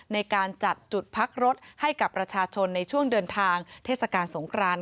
ในการจัดจุดพักรถให้กับประชาชนในช่วงเดินทางเทศกาลสงคราน